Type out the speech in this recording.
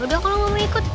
yaudah kalo mau ikut